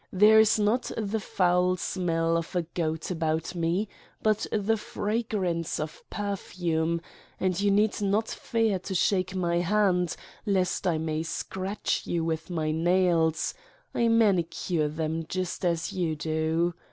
There is not the foul smell of a goat about me but the fragrance of per fume, and you need not fear to shake My hand lest I may scratch you with my nails : I manicure them just as you do.